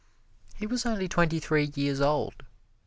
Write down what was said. He was only twenty three years old.